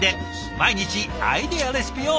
毎日アイデアレシピを探求。